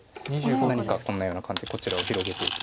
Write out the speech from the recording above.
何かこんなような感じでこちらを広げていく。